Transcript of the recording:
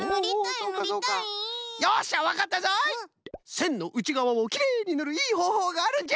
せんのうちがわをきれいにぬるいいほうほうがあるんじゃ。